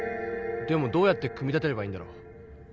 でもどうやって組み立てればいいんだろう。